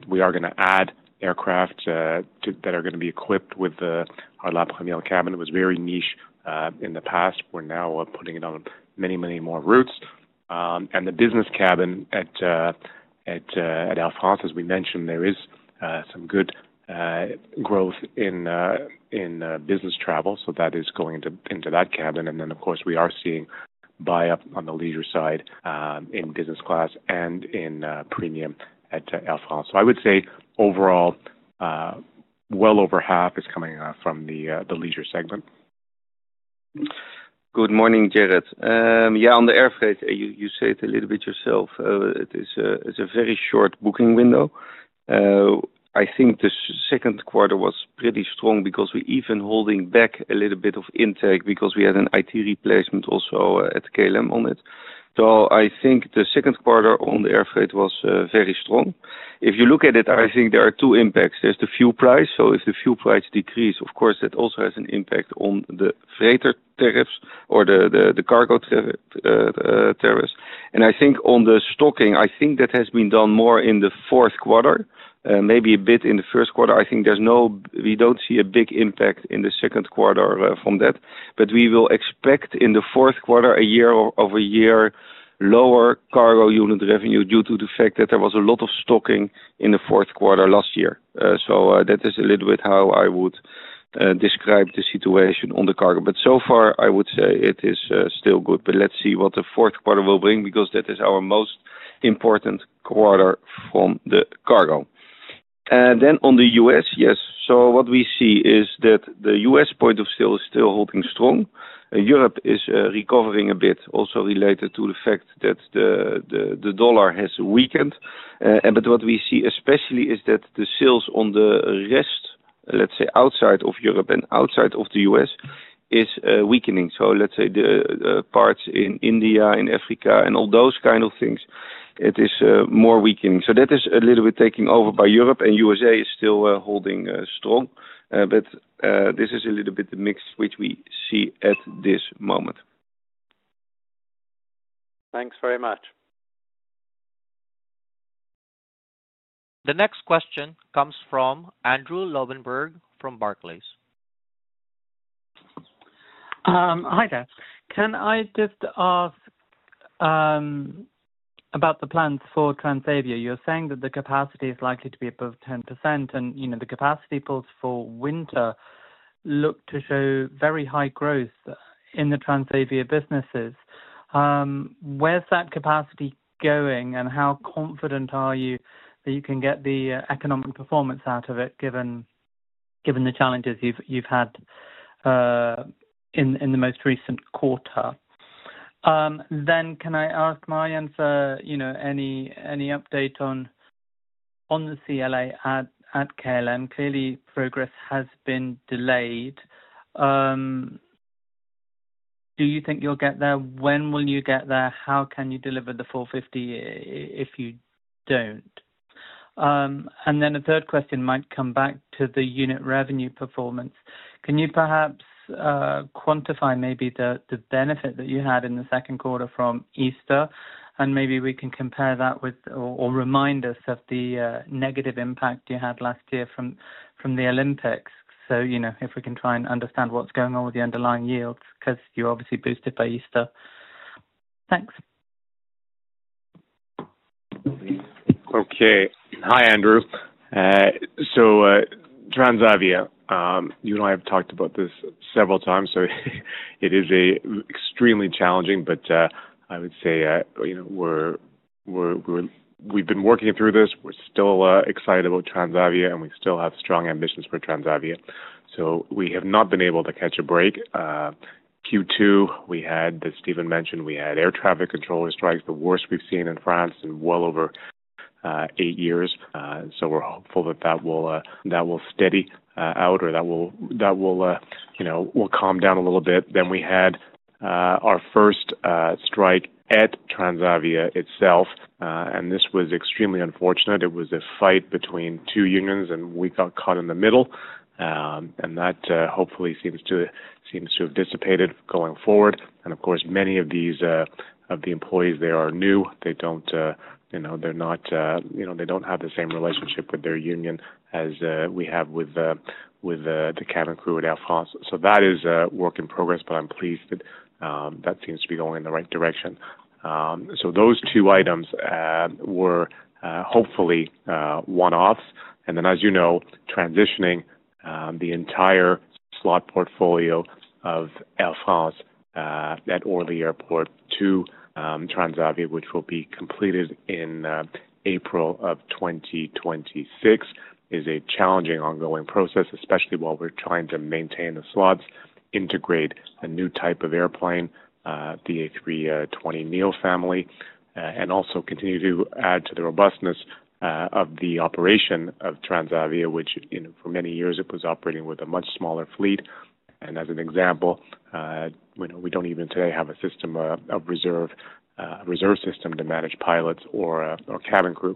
we are going to add aircraft that are going to be equipped with the La Première cabin. It was very niche in the past. We're now putting it on many, many more routes. The Business Class cabin at Air France, as we mentioned, there is some good growth in business travel. That is going into that cabin. Of course, we are seeing buy up on the leisure side in Business Class and in Premium at Air France. I would say overall well over half is coming from the leisure segment. Good morning, Jared. Yeah, on the air freight you said a little bit yourself. It is a very short booking window. I think the second quarter was pretty strong because we even held back a little bit of intake because we had an IT replacement also at KLM on it. I think the second quarter on the air freight was very strong. If you look at it, I think there are two impacts. There's the fuel price. If the fuel price decreases, of course it also has an impact on the freighter tariffs or the cargo tariffs. I think on the stocking, that has been done more in the fourth quarter, maybe a bit in the first quarter. I think there's no, we don't see a big impact in the second quarter from that. We will expect in the fourth quarter a year-over-year, lower cargo unit revenue due to the fact that there was a lot of stocking in the fourth quarter last year. That is a little bit how I would describe the situation on the cargo. So far I would say it is still good. Let's see what the fourth quarter will bring, because that is our most important quarter from the cargo. Then on the U.S., yes. What we see is that the U.S. point of sale is still holding strong. Europe is recovering a bit, also related to the fact that the dollar has weakened. What we see especially is that the sales on the rest, let's say outside of Europe and outside of the U.S., is weakening. Let's say the parts in India, in Africa and all those kind of things, it is more weakening. That is a little bit taken over by Europe and the U.S. is still holding strong, but this is a little bit the mix which we see at this moment. Thanks very much. The next question comes from Andrew Lobbenberg from Barclays. Hi there. Can I just ask about the plans for Transavia? You're saying that the capacity is likely to be above 10% and, you know, the capacity pools for winter look to show very high growth in the Transavia businesses. Where's that capacity going and how confident are you that you can get the economic performance out of it, given the challenges you've had in the most recent quarter? Can I ask Marjan for any update on the CLA at KLM? Clearly progress has been delayed. Do you think you'll get there? When will you get there? How can you deliver the 450 million if you don't? A third question might come back to the unit revenue performance. Can you perhaps quantify maybe the benefit that you had in the second quarter from Easter and maybe we can compare that with or remind us of the negative impact you had last year from the Olympics? If we can try and understand what's going on with the underlying yields because you obviously boosted by Easter. Thanks. Okay. Hi, Andrew. Transavia, you and I have talked about this several times, so it is extremely challenging. I would say, you know, we've been working through this. We're still excited about Transavia and we still have strong ambitions for Transavia. We have not been able to catch a break. In Q2, as Steven mentioned, we had air traffic controller strikes, the worst we've seen in France in well over eight years. We're hopeful that will steady out or that will, you know, calm down a little bit. We had our first strike at Transavia itself and this was extremely unfortunate. It was a fight between two unions and we got caught in the middle and that hopefully seems to have dissipated going forward. Many of the employees there are new. They don't, you know, they're not, you know, they don't have the same relationship with their union as we have with the cabin crew at Air France. That is a work in progress, but I'm pleased that seems to be going in the right direction. Those two items were hopefully one offs. As you know, transitioning the entire slot portfolio of Air France at Orly Airport to Transavia, which will be completed in April of 2026, is a challenging, ongoing process. Especially while we're trying to maintain the slots, integrate a new type of airplane, the A320neo family, and also continue to add to the robustness of the operation of Transavia, which for many years was operating with a much smaller fleet. As an example, we don't even today have a reserve system to manage pilots or cabin crew.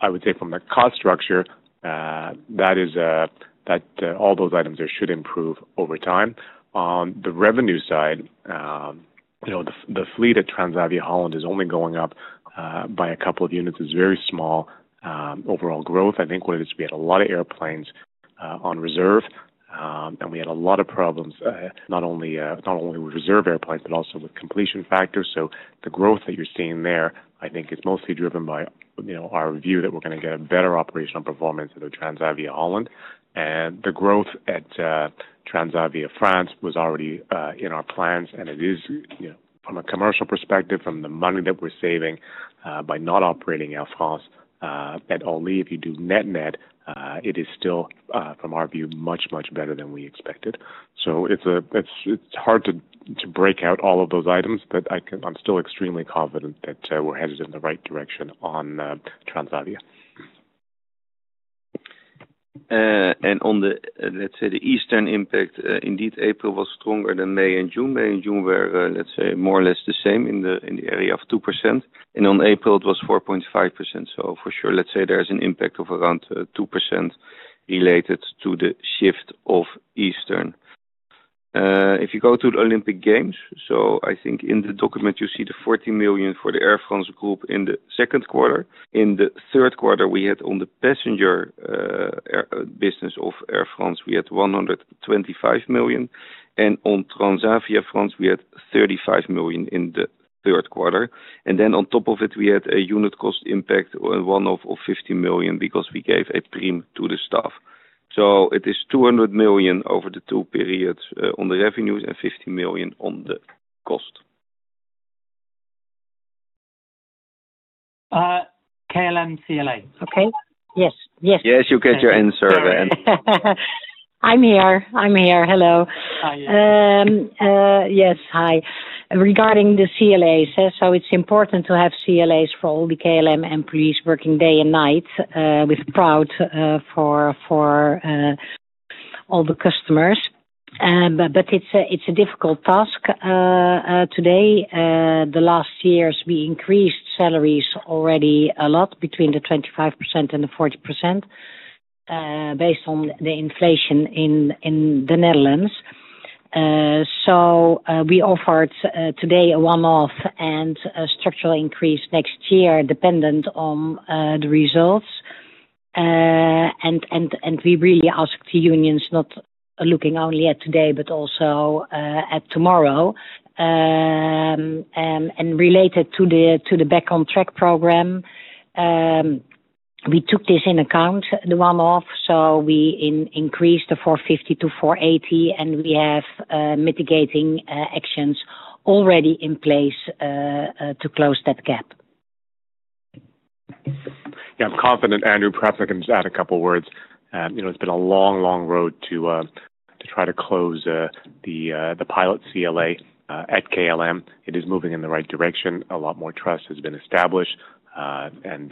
I would say from the cost structure that all those items should improve over time. On the revenue side, the fleet at Transavia Holland is only going up by a couple of units. It's very small overall growth. I think what it is, we had a lot of airplanes on reserve and we had a lot of problems not only with reserve airplanes, but also with completion factors. The growth that you're seeing there, I think, is mostly driven by our view that we're going to get a better operational performance of Transavia Holland. The growth at Transavia France was already in our plans. From a commercial perspective, from the money that we're saving by not operating Air France at Orly, if you do net net, it is still, from our view, much, much better than we expected. It's hard to break out all of those items. I'm still extremely confident that we're headed in the right direction on Transavia. On the, let's say, the Eastern impact. Indeed, April was stronger than May and June. May and June were, let's say, more or less the same in the area of 2%. On April it was 4.5%. For sure, let's say there is an impact of around 2% related to the shift of Eastern, if you go to the Olympic Games. I think in the document you see the 40 million for the Air France-KLM Group in the second quarter. In the third quarter we had on the passenger business of Air France 125 million and on Transavia France we had 35 million in the third quarter. On top of it, we had a unit cost impact of 150 million because we gave a prim to the staff. It is 200 million over the two periods on the revenues and 50 million on the cost. KLM cla. Okay. Yes, yes, yes. You get your serve. I'm here, I'm here. Hello. Yes, hi. Regarding the CLA, it's important to have CLAs for all the KLM employees working day and night with proud all the customers. It's a difficult task today. The last years we increased salaries already a lot between the 25% and the 40% based on the inflation in the Netherlands. We offered today a one off and a structural increase next year dependent on the results. We really asked the unions, not looking only at today, but also at tomorrow. Related to the back on track program, we took this in account, the one off. We increased the 450 million-480 million and we have mitigating actions already in place to close that gap. Yeah, I'm confident, Andrew. Perhaps I can just add a couple words. You know, it's been a long, long road to try to close the pilot CLA at KLM. It is moving in the right direction. A lot more trust has been established and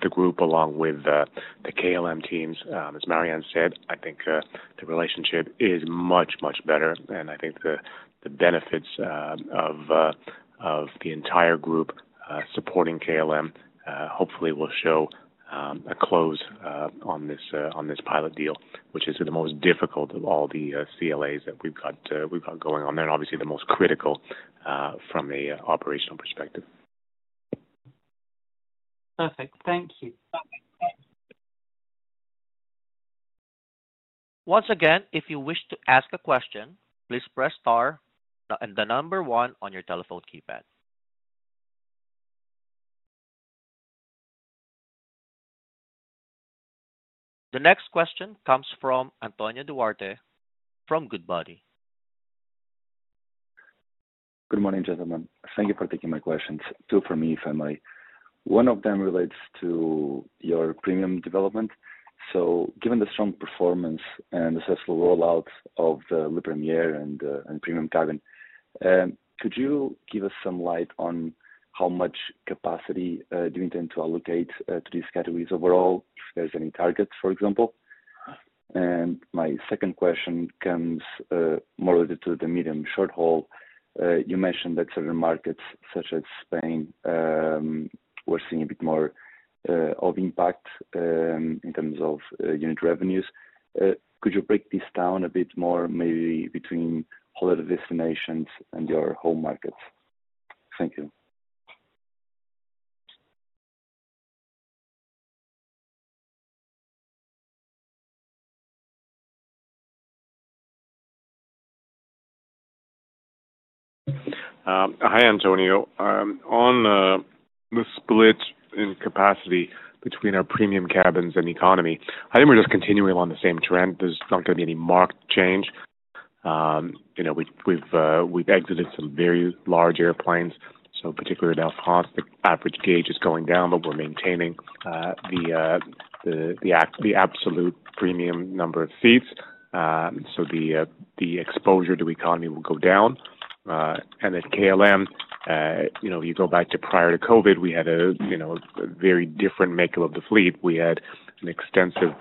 the group, along with the KLM teams, as Marjan said, I think the relationship is much, much better and I think the benefits of the entire group supporting KLM, hopefully will show a close on this pilot deal, which is the most difficult of all the CLAs that we've got going on there. Obviously the most critical from an operational perspective. Perfect, thank you. Once again, if you wish to ask a question, please press star and the number one on your telephone keypad. The next question comes from Antonio Duarte from Goodbody. Good morning, gentlemen. Thank you for taking my questions. Two for me, family. One of them relates to your premium development, given the strong performance and successful. Rollout of La Première and Premium Economy, could you give us some light on. How much capacity do you intend to allocate to these categories overall, if there's any targets, for example? My second question comes more to the medium short-haul. You mentioned that certain markets, such as Spain, we're seeing a bit more of impact in terms of unit revenues. Could you break this down a bit more, maybe between holiday destinations and your home markets? Thank you. Hi, Antonio. On the split in capacity between our premium cabins and economy, I think we're just continuing along the same trend. There's not going to be any marked change. You know, we've exited some very large airplanes, so particularly the average gauge is going down, but we're maintaining the absolute premium number of seats. The exposure to economy will go down. At KLM, you go back to prior to Covid, we had a very different makeup of the fleet. We had an extensive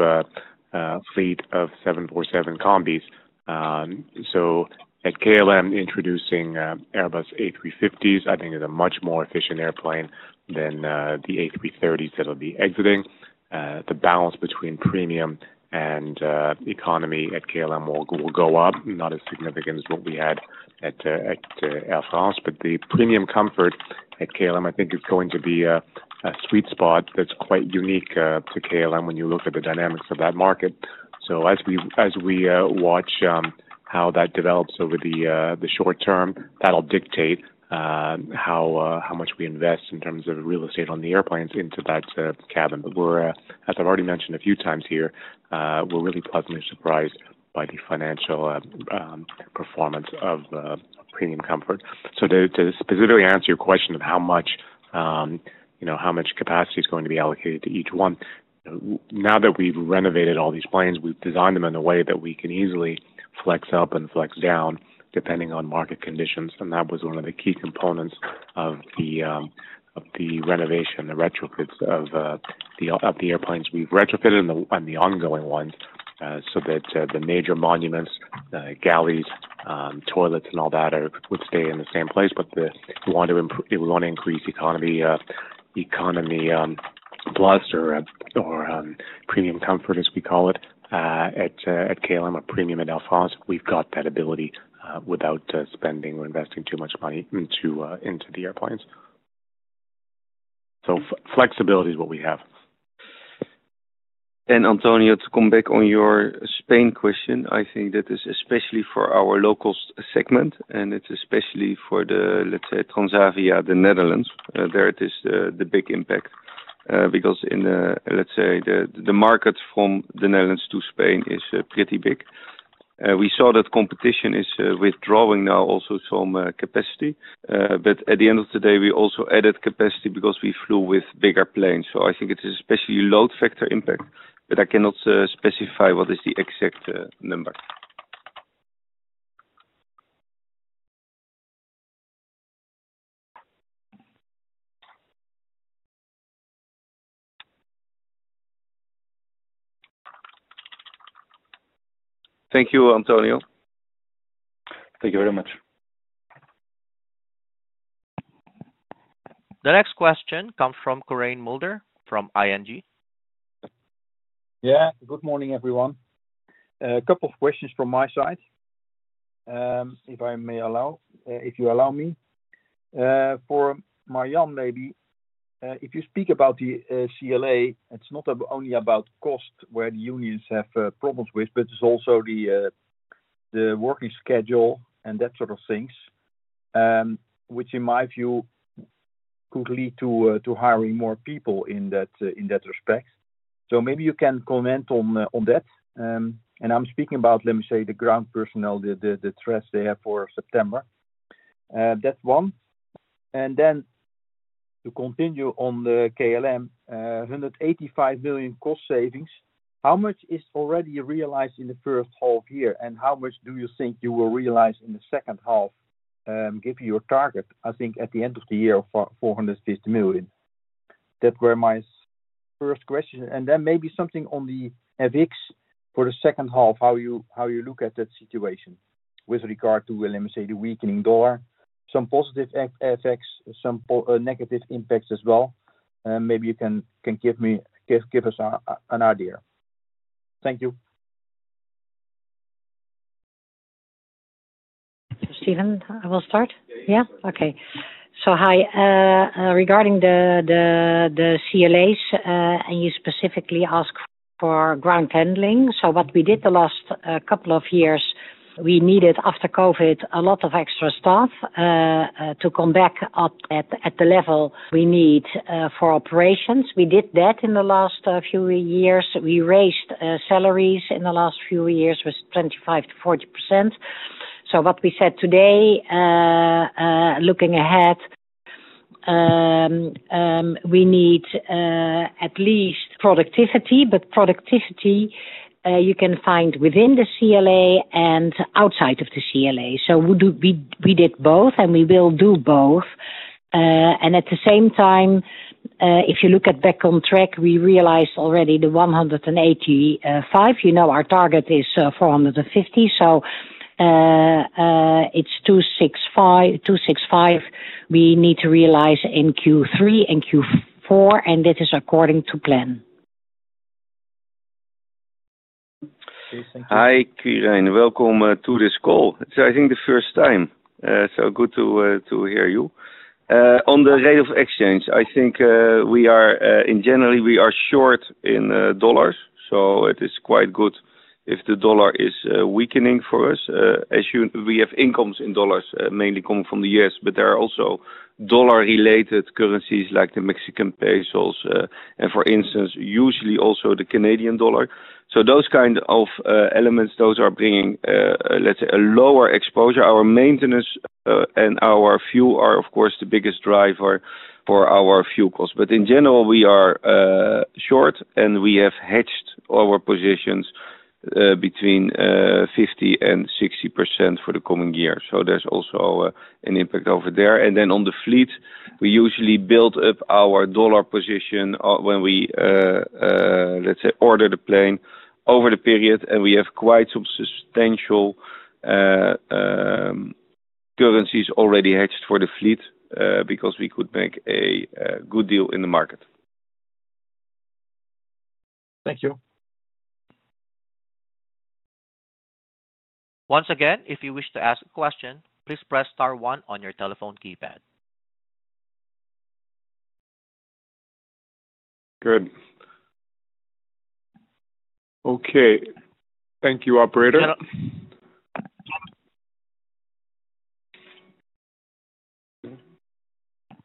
fleet of 747 combis. At KLM, introducing Airbus A350s I think is a much more efficient airplane than the A330s that will be exiting. The balance between premium and economy at KLM will go up, not as significant as what we had at Air France. The Premium Comfort at KLM is going to be a sweet spot that's quite unique to KLM when you look at the dynamics of that market. As we watch how that develops over the short term, that'll dictate how much we invest in terms of real estate on the airplanes into that cabin. As I've already mentioned a few times here, we're really pleasantly surprised by the financial performance of Premium Comfort. To specifically answer your question of how much capacity is going to be allocated to each one now that we've renovated all these planes, we've designed them in a way that we can easily flex up and flex down depending on market conditions. That was one of the key components of the renovation. The retrofits of the airplanes we've retrofitted and the ongoing ones so that the major monuments, galleys, toilets and all that would stay in the same place. We want to increase economy, Economy Plus, or Premium Comfort, as we call it at KLM, a premium. At Air France, we've got that ability without spending or investing too much money into the airplanes. Flexibility is what we have. Antonio, to come back on your Spain question, I think that is especially for our local segment and it's especially for, let's say, Transavia, the Netherlands. There it is, the big impact because in, let's say, the market from the Netherlands to Spain is pretty big. We saw that competition is withdrawing now also some capacity, but at the end of the day, we also added capacity because we flew with bigger planes. I think it is especially load factor impact, but I cannot specify what is the exact number. Thank you, Antonio. Thank you very much. The next question comes from Quirijn Mulder from ING. Yeah, good morning, everyone. A couple of questions from my side, if I may, if you allow me. For Marjan, maybe if you speak about the CLA, it's not only about cost, where the unions have problems, but it's also the working schedule and that sort of things, which in my view could lead to hiring more people in that respect. Maybe you can comment on that. I'm speaking about, let me say, the ground personnel, the threats they have for September, that's one. To continue on KLM, 185 million cost savings, how much is already realized in the first half year and how much do you think you will realize in the second half? Given your target, I think at the end of the year for 450 million. That was my first question. Maybe something on the FX for the second half, how you look at that situation with regard to, let me say, the weakening dollar, some positive effects, some negative impacts as well. Maybe you can give us an idea. Thank you. I will start. Yeah. Okay. Hi, regarding the CLA and you specifically asked for ground handling. What we did the last couple of years, we needed after Covid a lot of extra staff to come back up at the level we need for operations. We did that in the last few years. We raised salaries in the last few years with 25%-40%. What we said today, looking ahead, we need at least productivity. Productivity you can find within the CLA and outside of the CLA. We did both and we will do both. At the same time, if you look at back on track, we realized already the 185 million. You know our target is 450 million. It's 265 million we need to realize in Q3 and Q4 and it is according to plan. Hi Quirijn, welcome to this call. It's I think the first time, so good to hear you. On the rate of exchange, I think we are in general we are short in dollars, so it is quite good if the dollar is weakening for us. We have incomes in dollars mainly coming from the U.S., but there are also dollar-related currencies like the Mexican peso and for instance usually also the Canadian dollar. Those kind of elements are bringing let's say a lower exposure. Our maintenance and our fuel are of course the biggest driver for our fuel cost. In general we are short and we have hedged our positions between 50% and 60% for the coming year. There's also an impact over there. On the fleet, we usually build up our dollar position when we, let's say, order the plane over the period and we have quite some substantial currencies already hedged for the fleet because we could make a good deal in the market. Thank you. Once again, if you wish to ask a question, please press star one on your telephone keypad. Good. Okay. Thank you, operator.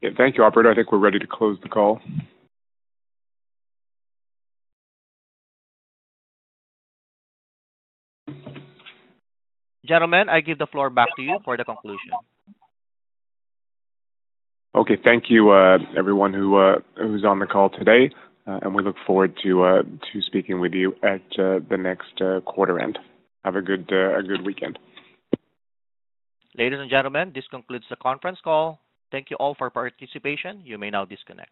I think we're ready to close the call. Gentlemen, I give the floor back to you for the conclusion. Okay, thank you everyone who's on the call today. We look forward to speaking with you at the next quarter end. Have a good weekend. Ladies and gentlemen, this concludes the conference call. Thank you all for your participation. You may now disconnect.